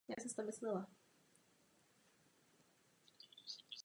Většina obyvatel během války uprchla z Abcházie.